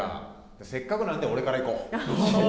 せっかくなんで、俺から行こう。